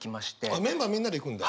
あっメンバーみんなで行くんだ？